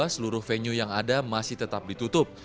seluruh venue yang ada masih tetap ditutup